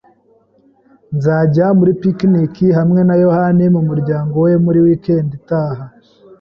Nzajya muri picnic hamwe na yohani n'umuryango we muri weekend itaha.